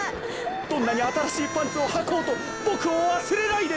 どんなにあたらしいパンツをはこうとボクをわすれないで。